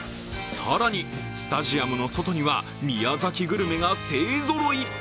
更に、スタジアムの外には宮崎グルメが勢ぞろい。